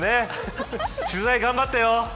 取材、頑張ってよ。